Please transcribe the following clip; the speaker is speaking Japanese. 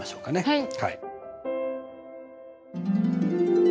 はい。